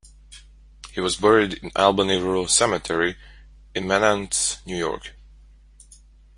He was buried in Albany Rural Cemetery in Menands, New York.